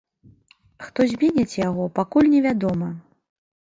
Хто зменіць яго, пакуль невядома.